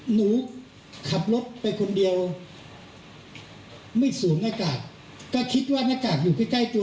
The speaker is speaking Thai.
หนูขับรถไปคนเดียวไม่สวมหน้ากากก็คิดว่าหน้ากากอยู่ใกล้ใกล้ตัว